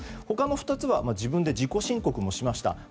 他の２つは自己申告もしました。